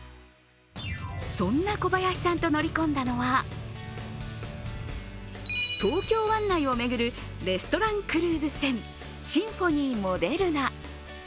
そんな小林さんと乗り込んだのは東京湾内を巡るレストランクルーズ船シンフォニーモデルナ。